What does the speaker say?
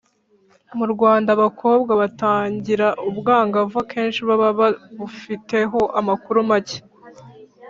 mu rwanda, abakobwa batangira ubwangavu akenshi baba babufiteho amakuru make